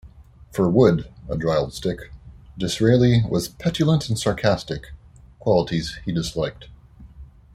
For Wood, a dry old stick, Disraeli was 'petulant and sarcastic', qualities he disliked.